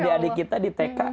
adik adik kita di tk